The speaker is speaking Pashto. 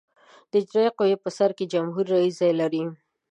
د اجرائیه قوې په سر کې جمهور رئیس ځای لري.